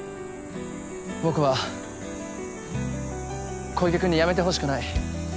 僕は小池君に辞めてほしくない。